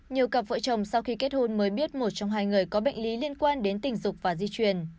nhiều cặp vợ chồng sau khi kết hôn mới biết một trong hai người có bệnh lý liên quan đến tình dục và di truyền